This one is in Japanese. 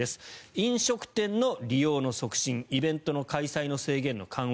飲食店の利用の促進イベントの開催の制限の緩和